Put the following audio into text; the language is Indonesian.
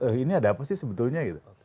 eh ini ada apa sih sebetulnya gitu